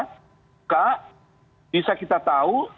buka bisa kita tahu